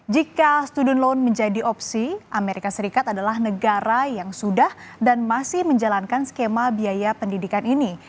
jika student loan menjadi opsi amerika serikat adalah negara yang sudah dan masih menjalankan skema biaya pendidikan ini